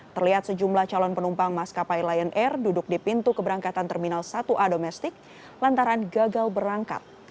terlihat sejumlah calon penumpang maskapai lion air duduk di pintu keberangkatan terminal satu a domestik lantaran gagal berangkat